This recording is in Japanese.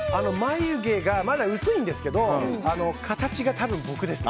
眉毛がまだ薄いんですけど形が多分、僕ですね。